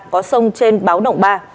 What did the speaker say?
có sông trên báo động ba